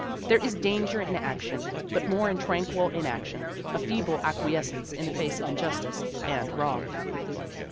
There is danger in action, but more in tranquil inac tion, in feeble acquiescence in the face of injustice and wrong."